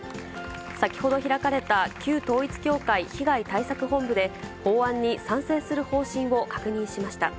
先ほど開かれた、旧統一教会被害対策本部で、法案に賛成する方針を確認しました。